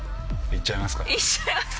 いっちゃいますか！